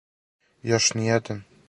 Још ни један.